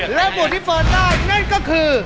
แล้วหมวดที่เปิดได้นั่นก็คือ